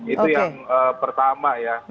itu yang pertama ya